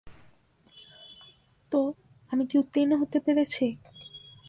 তো, আমি কি উত্তীর্ণ হতে পেরেছি?